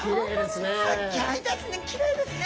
すギョいですね！